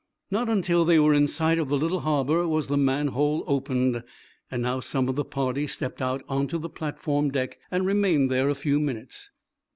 Not until they were in sight of the little harbor was the manhole opened. Now, some of the party stepped out onto the platform deck and remained there a few minutes.